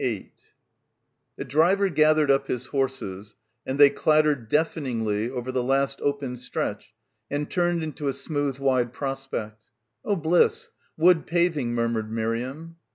8 The driver gathered up his horses and they clat tered deafeningly over the last open stretch and turned into a smooth wide prospect. "Oh bliss, wood paving," murmured Miriam.